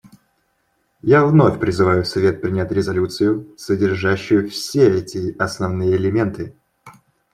Я вновь призываю Совет принять резолюцию, содержащую все эти основные элементы.